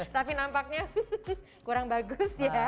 tapi nampaknya kurang bagus ya